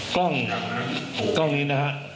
กล้องนี้นะครับ